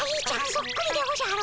そっくりでおじゃる。